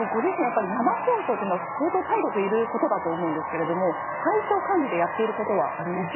やっぱり生放送っていうのは相当体力いる事だと思うんですけれども体調管理でやっている事はありますか？